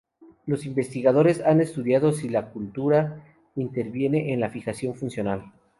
Los investigadores han estudiado si la cultura interviene en la fijación funcional.